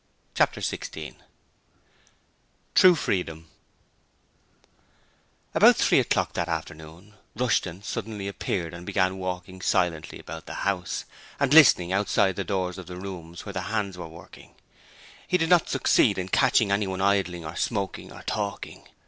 Chapter 16 True Freedom About three o'clock that afternoon, Rushton suddenly appeared and began walking silently about the house, and listening outside the doors of rooms where the hands were working. He did not succeed in catching anyone idling or smoking or talking.